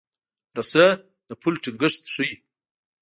رسۍ د پل ټینګښت ښيي.